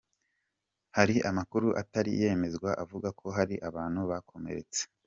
Hari amakuru atari yemezwa avuga ko hari abantu bakomeretse.